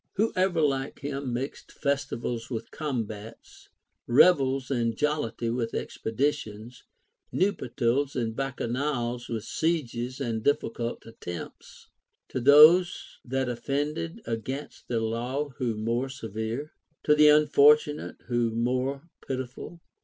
Who ever like him mixed festivals with combats, revels and jollity with expeditions, nuptials and bacchanals Avith sieges and difficult attempts ? To those that offended against the law who more severe ? To the unfortunate who more pitiful